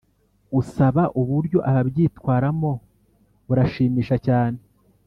usaba uburyo abyitwaramo burashimisha cyane